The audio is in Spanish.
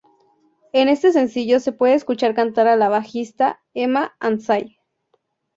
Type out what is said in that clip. En este sencillo se puede escuchar cantar a la bajista Emma Anzai.